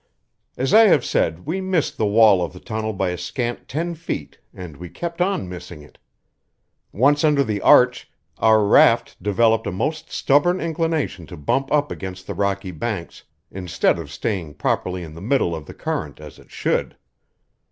As I have said, we missed the wall of the tunnel by a scant ten feet, and we kept on missing it. Once under the arch, our raft developed a most stubborn inclination to bump up against the rocky banks instead of staying properly in the middle of the current, as it should.